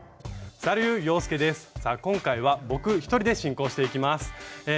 さあ今回は僕一人で進行していきます。